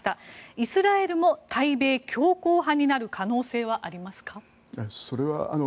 イスラエルも対米強硬派になる可能性はありますか。